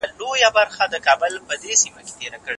د ذهن د روښانتيا لپاره کتاب ولولئ.